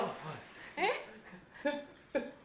えっ。